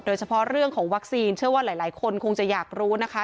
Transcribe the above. โดยเฉพาะเรื่องของวัคซีนเชื่อว่าหลายคนคงจะอยากรู้นะคะ